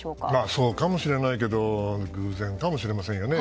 そうかもしれないけど偶然かもしれませんよね。